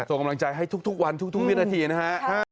ส่งกำลังใจให้ทุกวันทุกวินาทีนะฮะ